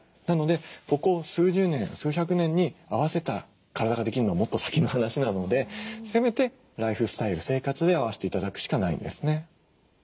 なのでここ数十年数百年に合わせた体ができるのはもっと先の話なのでせめてライフスタイル生活で合わせて頂くしかないんですね。